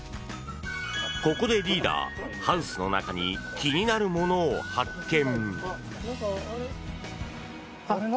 ここでリーダー、ハウスの中に気になるものを発見。